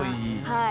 はい。